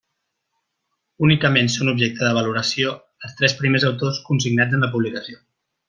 Únicament són objecte de valoració els tres primers autors consignats en la publicació.